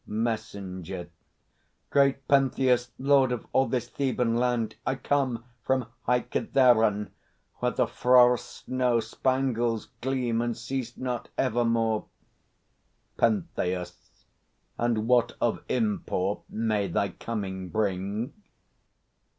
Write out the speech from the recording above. _ MESSENGER. Great Pentheus, Lord of all this Theban land, I come from high Kithaeron, where the frore Snow spangles gleam and cease not evermore. .. PENTHEUS. And what of import may thy coming bring?